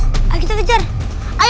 jangan tanpa destroy